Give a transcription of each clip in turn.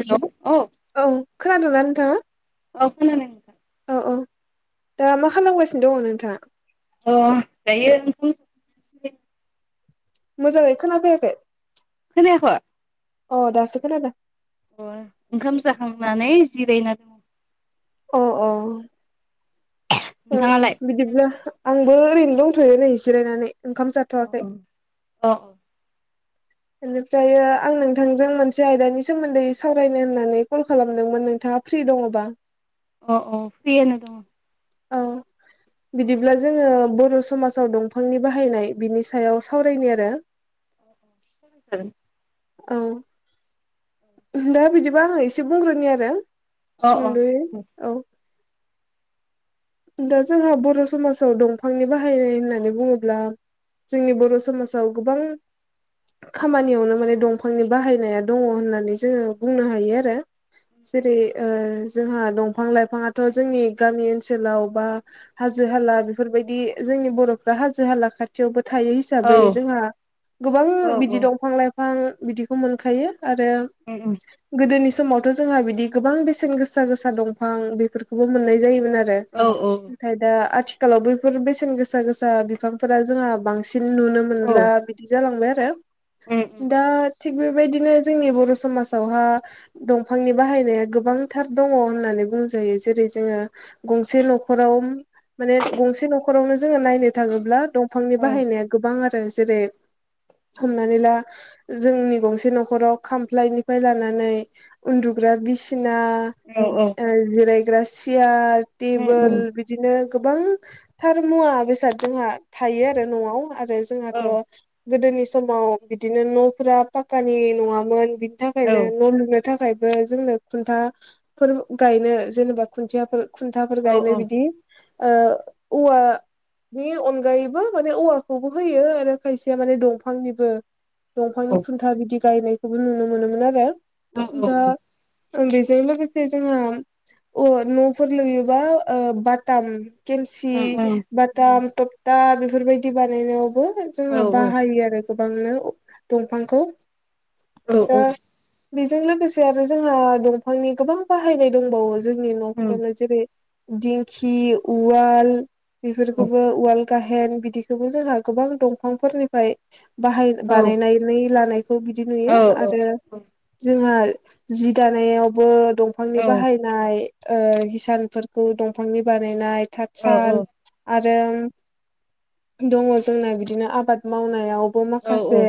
हेल' औ औ खोनादोंना नोंथाङा औ खोनादों नोंथां औ-औ दा मा खालामगासिनो दङ नोंथाङा? अ दायो मोजाङै खोनाफैयाखै खोनायाखै अ' दासो खोनादों। अ' ओंखाम जाखांनानै जिरायना। [unintelligible] अ' अ'। ओ नोंथाङालाय बिदिब्ला आंबो ओरैनो दंथ'यो नै जिरायनानै ओंखाम जाथ'वाखै। अ बेनिफ्राय आं नोंथांजों मोनसे आयदानि सोमोन्दै सावरायनो होननानै कल खालामदोंमोन नोंथाङा फ्रि दङबा अ-अ फ्रियानो दङ औ। बिदिब्ला जोङो बर' समाजाव दंफांनि बाहायनाय बिनि सायाव सावरायनाय आरो। [inaudible] [inaudible] औ। दा बिदिबा आं एसे बुंग्रोनोनि आरो अ अ सुंद'य औ। दा जोंहा बर' समाजाव दंफांनि बाहायनाय होननानै बुङोब्ला जोंनि बर' समाजाव गोबां खामानियावनो माने दंफांनि बाहायनाया दङ होननानै जोङो बुंनो हायो आरो। जेरै ओ जोंहा दंफां लाइफाङाथ' जोंनि गामि ओनसोल नाव बा हाजो हाला बेफोरबायदि जोंनि बर'फ्रा हाजो हाला खाथियावबो थायो औ हिसाबै जोंहा गोबां औ बिदि दंफां लाइफां बिदिखौ मोनखायो आरो [inaudible] गोदोनि समावथ' जोंहा बिदि गोबां बेसेन गोसा गोसा दंफां बेफोरखौबो मोननाय जायोमोन आरो। औ -औ। नाथाय दा आथिखालाव बैफोर बेसेन गोसा गोसा बिफांफोरा जोंहा बांसिन नुनो मोन औ मोनला बिदि जालांबाय आरो उम उम दा थिग बेबायदिनो जोंनि बर' समाजावहा दंफांनि बाहायनाया गोबांथार दङ होननानै बुंजायो जेरै जोङो गंसे न'खराव माने गंसे न'खरावनो जोङो नायनो थाङोब्ला दंफांनि औ बाहायनाया गोबां आरो जेरै हमनानै ला जोंनि गंसे न'खराव खामफ्लायनिफ्राय लानानै उन्दुग्रा बिसिना औ ओ जिरायग्रा सियार उम टेबोल उम बि बिदिनो गोबांथार मुवा बेसाद जोंहा थायो आरो न'आव आरो आरो औ जोंहाथ' गोदोनि समाव बिदिनो न'फोरा पाक्कानि नङामोन बिनि औ थाखायनो न' लुनो थाखायबो जोंनो खुन्थाफोर गायनो जेनेबा खुन्थियाफोर खुन्थाफोर औ गायनो बिदि ओ औवा नि अनगायैबो माने औवाखौबो होयो आरो खायसेया माने दंफांनिबो दंफांनि खुन्था बिदि गायनायखौबो नुनो मोनोमोन आरो औ दा बेजों लोगोसे जोंहा औवानि न' फोर लुयोबा ओ बाथाम केमसि उम उम उम बाथाम थख दा बेफोरबायदि बानायनायावबो औ जोंहा बाहायो आरो। गोबांनो दंफांखौ औ दा उम बेजों लोगोसे आरो जोंहा दंफांनि गोबां बाहायनाय दंबावो जोंनि औ न'फ्रावनो जेरै दिंखि उवाल बेफोरखौबो उवाल गाहेन बिदिखौबो जोंहा गोबां दंफांफोरनिफ्राय बाहाय बानायनानै लानाय बिदि औ नुयो आरो जोंहा जि दानायावबो दंफांनि औ बाहाय नाय ओ हिसानफोरखौ दंफांनि बानायनाय औ थाथसााल आरो दङ जोंना बिदिनो आबाद मावनायावबो औ औ माखासे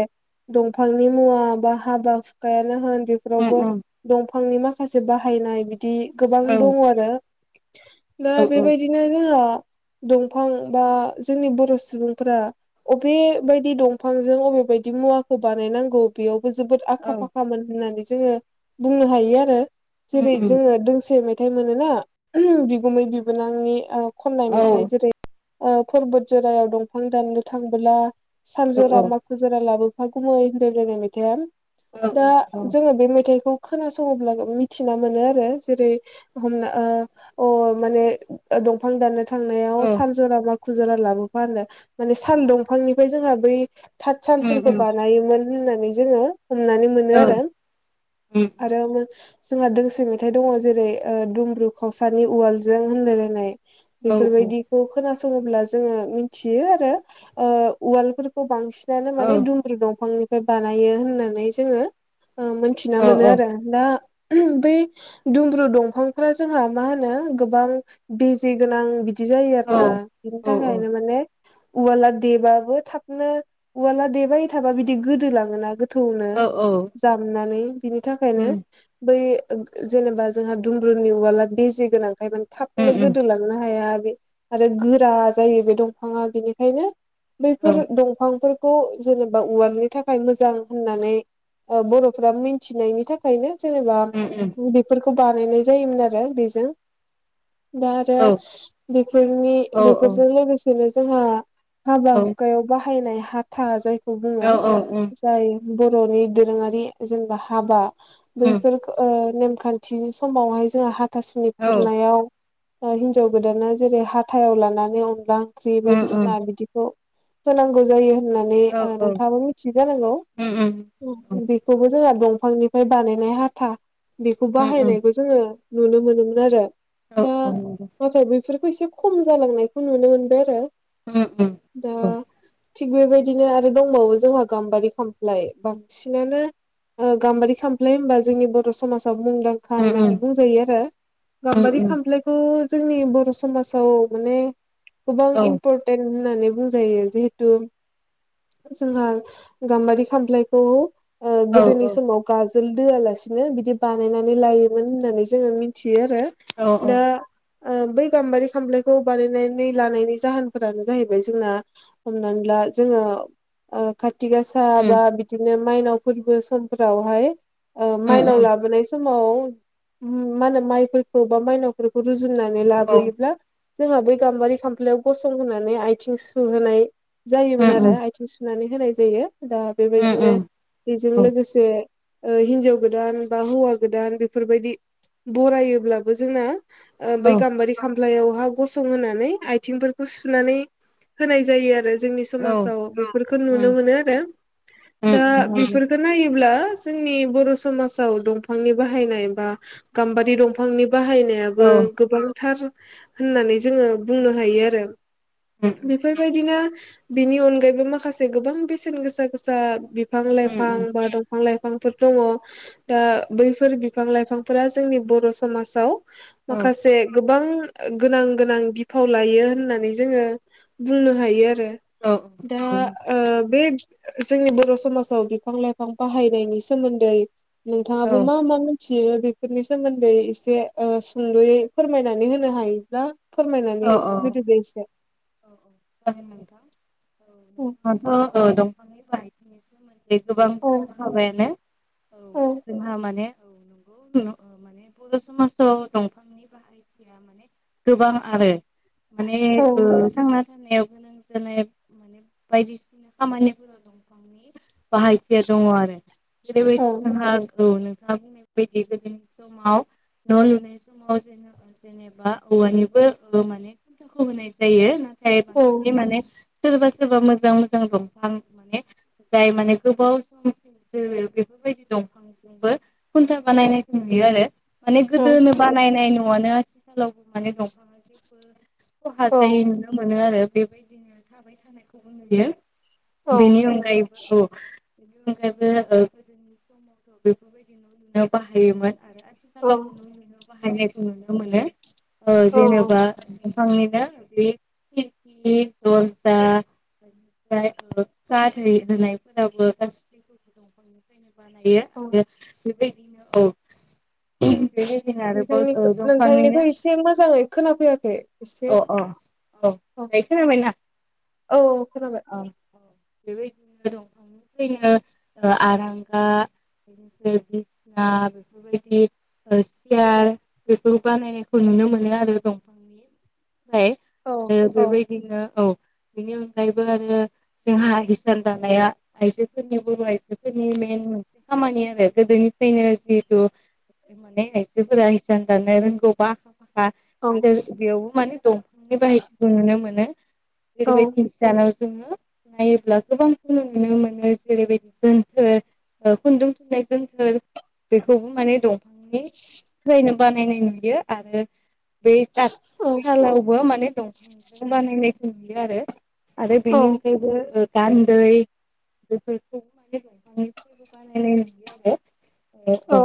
दंफांनि मुवा बा हाबा हुखायानो होन उम बेफोरावबो उम दंफांनि माखासे बाहायनाय बिदि गोबां औ दङ आरो दा औ बेबायदि बिदिनो जोंहा दंफां बा जोंनि बर' सुबुंफोरा अबे बायदि दंफांजों अबे बायदि मुवाखौ बानायनांगौ बेयावबो जोबोद औ आखा फाखामोन होननानै जोङो बुंनो हायो आरो। उम जेरै उम जोङो दों से मेथाइ मोनोना। बिगुमै बिबोनांनि खननाय औ मेथाइ जेरै ओ परबत जरायाव दंफां दाननो थांबोला औ सानजरा औ मा गुजारा लाबोफा गुमै होनलाय लायनाय मेथाइआ औ उम दा जोङो बे मेथाइखौ खोनासङोब्ला मिथिना मोनो आरो जेरै हमना ओ अ' माने ओ दंफां दाननो थांनायाव सानसे [unintelligible] जरा मा खु जरा लाबोफा माने साल दंफांनि जोंहा बै थाथ सालफोरखौ उम बा [unintelligible] होननानै जोङो हमनानै मोन औ आरो। आरो जोंहा दोंसे मेथाइ दङ' जेरै ओ दुमब्रु खावसानि उवालजों होनलायलायनाय उम औ बेफोरबायदि खौ खोनासङोब्ला जोङो मिथियो आरो उवालफोर खौ बांसिनानो औ माने दुमन्द्रु दंफांनिफ्राय बानायो होननानै जोङो मोन मिथिना मोनो औ आरो। दा बै दुमब्रु दं फांफ्रा जोंहा मा होनो गोबां बिजि गोनां बि दि जायो आरो ना औ बिनि औ थाखायनो माने उवला देबाबो थाबनो उवाला देब थाबा बिदि गोदो लाङोना थौनो औ औ उम उम जामनानै बिनि थाखायनो बै जेनेबा जोंहा दुमब्रुनि उवाला बेजे गोनांखाय माने थाबनो उम गोदोलां नो हाया बे आरो गोरा जायो बे दंफाङा बेनिखायनो बैफोर औ दंफांफोर खौ जेनेबा उवारनि थाखाय मोजां होननानै ओ बर'फोरा मिथिनायनि थाखाय थाखायनो जेनेबा उम उम बेफोरखौ बानायनाय जायोमोन आरो बेजों। दा आरो औ औ बेफोरनि औ बेफोरजों औ लोगोसेनो जोंहा हाबा औ हुखायाव बाहायनाय हाथा जायखौ बुङो औ जाय बर'नि दोरोङारि जेनेबा हाबा उम बैफोर ओ नेमखान्थि समावहाय जोङो हाथासुनि खुरनायाव ओ हिनजाव गोदाना जेरै हाथायाव लानानै अनला ओंख्रि बायदिसिना बिदिखौ होनांगौ जायो उम औ उम होननानै औ ओ औ नोंथाङाबो मिथि जानांगौ। उम उम बेखौबो जोंहा दंफांनिफ्राय बानायनाय हाथा। बेखौ बाहायनाय जोंङो नुनो मोनोमोन आरो दा नाथाय बेफोरखौ एसे खम जालांनायखौ नुनो मोनबाय आरो उम उम औ दा औ उम औ थिग बेबायदिनो आरो दंबावो जोंहा गाम्बारि खामफ्लाय बांसिनानो ओ गाम्बारि खामफ्लाय होमबा जोंनि बर' समाजा मुंदां उम खाननानै उम बुंजायो आरो। उम गाम्बारि उम खामफ्लाय खौ जोंनि बर' समाजाव माने गोबां इमपर तेन होननानै बुंजायो जिहेतु जोंहा गाम्बारि खाम्लायखौ ओ औ गोदोनि औ समाव गाजोल दोआलासिनो बिदि बानायनानै लायो होननानै जोङो मिथि आरो औ दा ओ बै गाम्बारि खामलायखौ बानायनानै लानायनि जाहोनफोरानो जाहैबाय जोंना हमनानै ला जोङो ओ काथि गासा बा उम बिदिनो मायनाव फोरबो समफोरावहाय उम माइनाव उम लाबोनाय समाव मा होनो माइफोरखौ बा माइनावफोरखौ रुजुननानै औ लाबोयोब्ला जोंहा बै गाम्बारि खामफ्लायाव गसंहोनानै आथिं सुहोनाय जायोमोन उम आरो उम आथिं सु नानै होनाय जायो दा उम बेबायदिनो उम बेजों लोगोसे ओ हिनजाव गोदान बा हौवा गोदान बेफोरबादि बरायोब्लाबो जोंना ओ औ बै गाम्बारि खामफ्लायावहा गसं होनानै आथिंफोरखौ सुनानै होनाय जायो आरो। जोंनि औ औ समाजाव बेफोरखौ नुनो उम मोनो आरो उम दा उम नंगौ बेफोरखौ नायोब्ला जोंनि बर' समाजाव दं दंफांनि बाहायनाय बा गाम्बारि दंफांनि बाहायनायाबो औ गोबांथार होननानै जोङो बुंनो हायो आरो। उम बेफोरबायदिनो बिनि अनगायैबो माखासे गोबां बेसेन गोसा गोसा बिफां उम लाइफां उम उम बा दं फां लाइफांफोर दङ दा बैफोर बिफां लाइफांफोरा जोंनि बर' समाजाव माखासे गोबां गोनां गोनां बिफाव लायो होननानै जोङो बुंनो हायो आरो। औ औ दा नंगौ ओ बे जोंनि बर' समाजाव बिफां लाइफां बाहायनायनि सोमोन्दै दाबो मा मा मो थियो बेफोरनि सोमोन्दै एसे ओ सुंदुयै फोरमायनानै होनो हायो। दा औ फोरमायनानै होदोदे एसे। जागोन दे नोंथां। आंथ' ओ दंफांनि बागै औ [unintelligible] जोंहा माने [unintelligible] गोबां [unintelligible] ओ माने थांना [unintelligible] बाहायथिया दङ आरो [unintelligible] [unintelligible] [unintelligible] माने सोरबा सोरबा मोजां मोजां दंफां माने जाय माने गोबाव समसिमसो बेफोरबायदि दंफां बो खुन्था बानायनाय नुयो आरो। माने गोदोनो बानायनाय न आनो आथिखालावबो माने दंफां मफोर [unintelligible] नुनो मोनो आरो बेबादिनो थाबाय लानायखौबो नुयो। बिनि अनगायैबो औ [unintelligible] [unintelligible] ओ जेनबा [unintelligible] [unintelligible] [unintelligible] बेबायदिनो आरोबाव नोंथांनिखौ दंफांनिनो नोंथांनिखौ एसे मोजाङै खोनाफैयाखै? एसे अ अ औ दायो खोनाबायना औ औ खोनाबाय औ औ [unintelligible] आरांगा [unintelligible] [unintelligible] सियार, बेफोर बानायनायखौ नुनो मोनो आरो। दंफांनिफ्राय औ आरो औ बेबायदिनो औ बेनि अनगायैबो आरो [unintelligible] जोंहा हिसान दानाया [unintelligible] माने आइजोफोरा इसान जानो रोंगौबा [unintelligible] औ बे‌ आवबो माने दंफांनि बाहायथि खौ नुनो मोनो। औ [unintelligible] जोङो नायोब्ला गोबांखौ नुनो मोनो जेरैबायदि जोनथोर खुन्दुं थुननायजोंसो बेखौबो माने दंफांनि फरायनो बानायनाय नुयो आरो बे तठ सालावबो माने दंफांजों बानायनायखौ नुयो आरो [unintelligible] आरो औ बेनि अनगायैबो गान्दै बेफोरखौ माने दंफांनिफ्रायबो बानायनाय नुयो आरो औ औ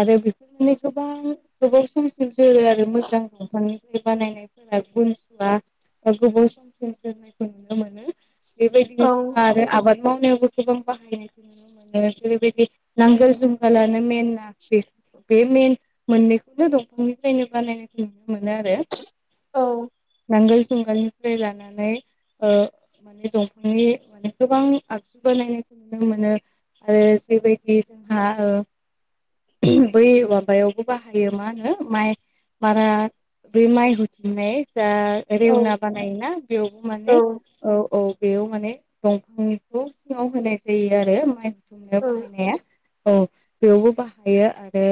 आरो बिदिनो गोबां गोबाव समसिम जो आरो मोजां दंफानि बानायनायफोरा गुनसुवा गोबाव सम सम सेरनायखौ नुनो मोनो बेबायदिनो औ औ जोंहा आरो आबाद मावनायावबो गोबां बाहायनायखौ नुनो मोनो जेरैबायदि नांगोल सगलाानो मेना बे बे मेन मोननैखौनो दंफांनिफ्रायनो बानायनायखौ नुनो मोनो। आरो औ नांगोल सुंगालनिफ्राय लानानै ओ माने दंफांनि माने गोबां आगजु बानायनायखौ नुनो मोनो। आरो जबायदि जोंहा ओ बै माबायावबो बाहायो मा होनो माइ बारा बेै माइ होथिननाय जा रेवना बानायोना बेयावबो माने औ औ बेयाव माने दंफांखौ सिङाव होनाय जायो आरो म होन जंनायाव बाहायनाया औ बेवबो बाहायो आरो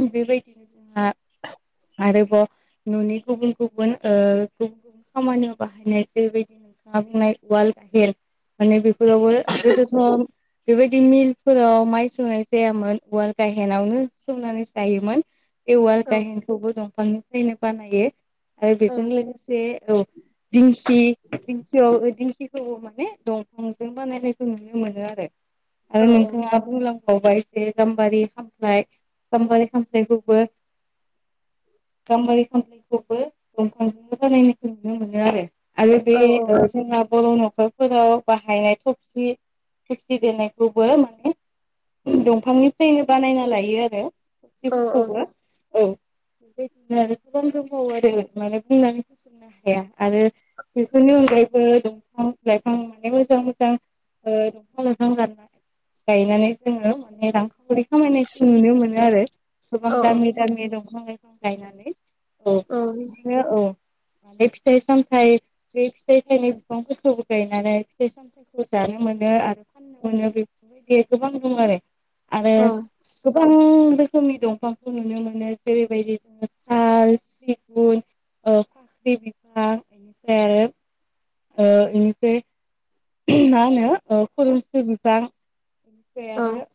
बेबायदिनो जोंहा आरोबाव न'नि गुबुन गुबुन गुबुन गुबुन ओ खामानियाव बाहायनाय जेरैबायदिनो बुंनायाल मे बेफोरावबो गोदो सम बेबायदि मिलफोराव माइ सौनाय जायामोन ववाल गाहेनावनो संनानै जायोमोन उवाल गाहेनखौबो दंफांनिफ्रायनो बानायो आरो बेजों लोगोसे औ दिंखि दिंखियाव दिखि माने दंफांजों बानायनायखौ नुनो मोनो आरो आरो नोंथाङा बुंलांबावबाय एसे गाम्बारि हामनाय गाम्बारि हामनायखौबो गाम्बारि खामफलिखौबो दंफांजोंनो बानायनायखौ नुनो मोनो आरो आरो बे जों बर न फोराव बाहायनाय थफसि थफसि देरनायखौबो माने दंफांनिफ्रायनो बानायना लायो आरो औ खसेफोरखौबा औ बेबायदिनो गोबां गोबाव आरो माने बुंनानैस हाया आरो बेफोरनि अनगायैबो दंफां लाइफां माने मोजां मोजां ओ बिफां लाइफां गायनानै जोङो माने रांखावरि खामायनायखौ नुनो मोनो आरो गोबां दामि दामि दंफां लाइफां गायनानै औ बिदिनो औ बे फिथाइ सामथाय बे फिथाइथाइनि बिफां फोरखौबो गायनानै फैसा खौ जानो मोनो आरो फाननो मोनो बेफोरबायदि गोबां दं आरो आरो गोबां रोखोमनि दंफांखौ नुनो मोनो जेरैबायदि जोङो साल सिगुन फाख्रि बिफां बेनिफ्राय आरो ओ इनिखौ मा होनो खुरुमसिु बिफां बेनिफ्राय आरो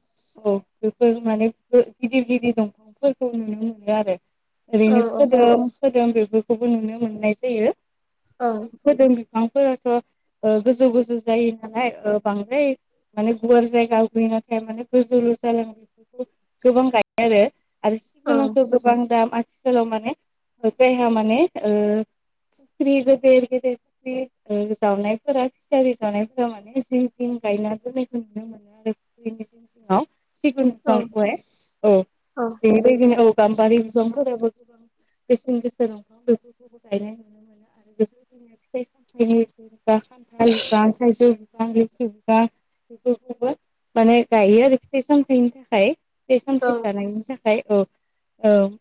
औ बेफोर माने गिदिर गिदिर दंफांफोरखौ नुनो मोनो आरो ओरैनो खोदोम खोदोम बेफोरखौबो नुनो मोननाय जायो औ फोदोम बिफांफोराथ' गोजौ गाजौ गोजौ जायो नालाय बांद्राय माने गुवार जायगायाव गैय नाथाय माने गोजौल' जाल बे गोबां गायो आरो आरो सि गुनांखौ गोबां दाम आथिखालाव माने जायहा माने स्रि गोदेर गेदेर जावनाय फोर सिरि सावनायफोरा माने जिं जिं गायना दोननायखौ नुनो मोनो आरो जिं सिङाव सिगुन दंफां औ औ द बेदिनो औ गाम्बारि बिफांफोराबो गोबां बेसेन गोसेन बिफां बेफोरखौबो गायनाय नुनो मोनो नो फिथाइ साम खथ ब [unintelligible] [unintelligible] बेफोरखौबो माने गायो आरो फिथाइ सामथाइनि थाखाय बे औ सानसेस जानायनि थाखाय औ औ